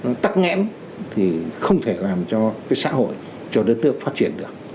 nó tắc nghẽn thì không thể làm cho cái xã hội cho đất nước phát triển được